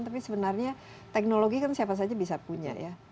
tapi sebenarnya teknologi kan siapa saja bisa punya ya